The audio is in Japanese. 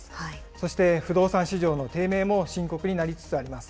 そして不動産市場の低迷も深刻になりつつあります。